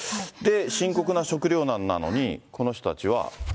深刻な食料難なのに、この人たちは。